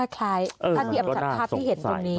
คล้ายถ้าเทียมจากภาพที่เห็นตรงนี้